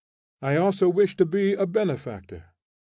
I also wish to be a benefactor.